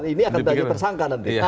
ini akan jadi tersangka